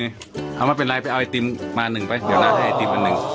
เอาไม่เป็นไรไปเอาไอติมมาหนึ่งไปเดี๋ยวนะให้ไอติมอันหนึ่ง